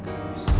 kenapa sejauh ini